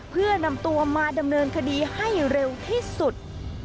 เพื่อนำตัวมาดำเนินคดีให้เร็วที่สุด